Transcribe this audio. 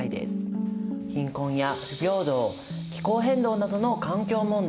貧困や不平等気候変動などの環境問題。